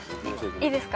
いいですか？